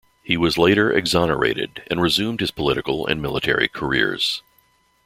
He was later exonerated and resumed his political and military careers.